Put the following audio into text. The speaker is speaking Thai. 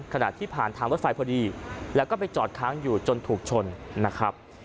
ขณะที่ผ่านทางรถไฟพอดีแล้วก็ไปจอดค้างอยู่จนถูกชนนะครับ